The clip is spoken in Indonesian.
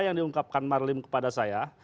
yang diungkapkan marlim kepada saya